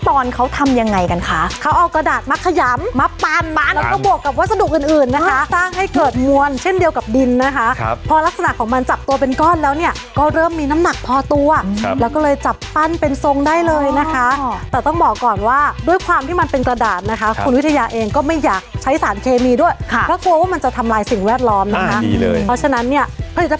โอ้โหโอ้โหโอ้โหโอ้โหโอ้โหโอ้โหโอ้โหโอ้โหโอ้โหโอ้โหโอ้โหโอ้โหโอ้โหโอ้โหโอ้โหโอ้โหโอ้โหโอ้โหโอ้โหโอ้โหโอ้โหโอ้โหโอ้โหโอ้โหโอ้โหโอ้โหโอ้โหโอ้โหโอ้โหโอ้โหโอ้โหโอ้โหโอ้โหโอ้โหโอ้โหโอ้โหโอ้โห